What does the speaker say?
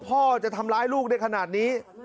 พ่อจะทำร้ายลูกในขณะนี้